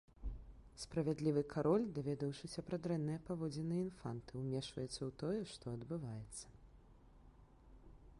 Справядлівы кароль, даведаўшыся пра дрэнныя паводзіны інфанты, умешваецца ў тое, што адбываецца.